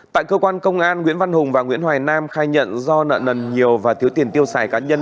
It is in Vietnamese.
tại cơ quan công an nguyễn văn hùng và nguyễn hoài nam khai nhận do nợ nần nhiều và thiếu tiền tiêu xài cá nhân